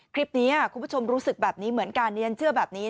คลิปนี้คุณผู้ชมรู้สึกแบบนี้เหมือนกัน